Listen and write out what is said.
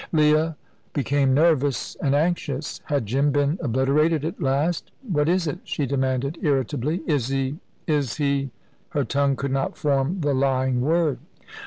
Leah became nervous and anxious. Had Jim been obliterated at last? "What is it?" she demanded irritably. "Is he is he?" her tongue could not form the lying word.